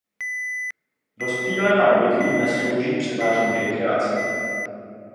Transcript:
Rozptýlená obydlí dnes slouží převážně k rekreaci.